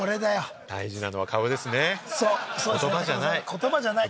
言葉じゃない！